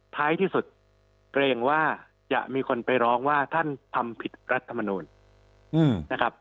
ท้ายที่สุดเกรงว่าจะมีคนไปร้องว่าท่านทำผิดรัฐมนูลนะครับ